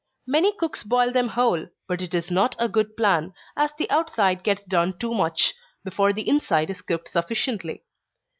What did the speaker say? Many cooks boil them whole, but it is not a good plan, as the outside gets done too much, before the inside is cooked sufficiently.